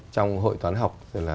trong hội toán học